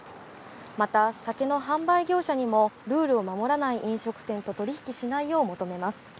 また酒の販売業者にもルールを守らない飲食店と取引しないよう求めます。